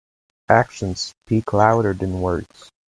Actions speak louder than words.